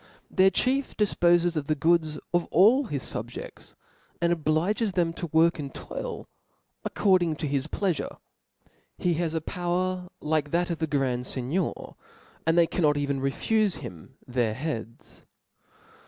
Their C) chief tefs. 20th difpofes of the goods of all his fubj^ds, and coiicaion. QJjijges them to work and toil^ according to his plealure. He has a power like that of tbe grand Cgnior, and they cannot even refufe him their heads.